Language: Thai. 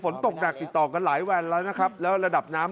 ฝนตกหนักติดต่อกันหลายวันแล้วนะครับแล้วระดับน้ำ